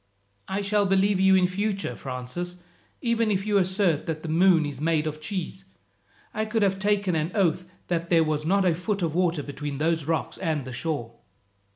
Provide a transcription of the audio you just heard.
"I shall believe you in future, Francis, even if you assert that the moon is made of cheese. I could have taken an oath that there was not a foot of water between those rocks and the shore."